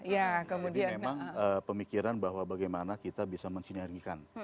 jadi memang pemikiran bahwa bagaimana kita bisa mensinergikan